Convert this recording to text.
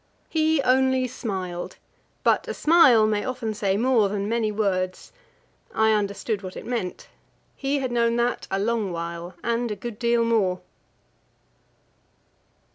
He only smiled; but a smile may often say more than many words. I understood what it meant; he had known that a long while and a good deal more.